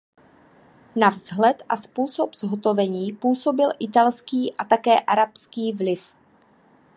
Na vzhled a způsob zhotovení působil italský a také arabský vliv.